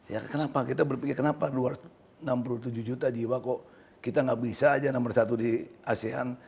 ya kenapa kita berpikir kenapa dua ratus enam puluh tujuh juta jiwa kok kita nggak bisa aja nomor satu di asean